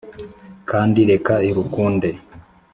kandi reka irukunde